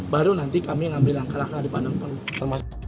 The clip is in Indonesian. baru nanti kami ngambil langkah langkah di pandang pungli